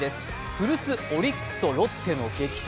古巣・オリックスとロッテの激闘。